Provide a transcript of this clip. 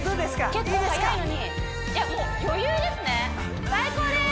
結構速いのにいやもう余裕ですね最高です！